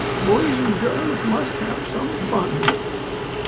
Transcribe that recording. Boys and girls must have some fun."